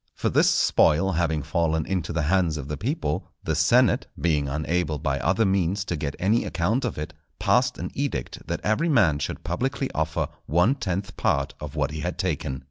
For this spoil having fallen into the hands of the people, the senate, being unable by other means to get any account of it, passed an edict that every man should publicly offer one tenth part of what he had taken.